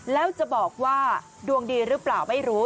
แล้วจะบอกว่าดวงดีหรือเปล่าไม่รู้